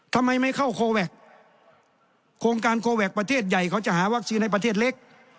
ทำไมไม่เข้าโคแวคโครงการโคแวคประเทศใหญ่เขาจะหาวัคซีนในประเทศเล็ก